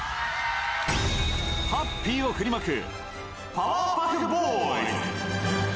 ハッピーを振りまくパワーパフボーイズ。